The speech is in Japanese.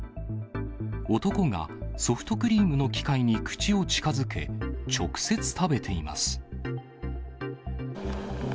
男がソフトクリームの機械に口を近づけ、直接食べています。